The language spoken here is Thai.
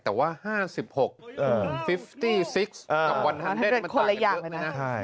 แต่ว่า๕๖๕๖กับ๑๐๐มันต่างกันเยอะนะ